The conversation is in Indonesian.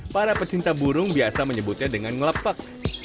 para pecinta burung biasa menyebutnya dengan ngelepak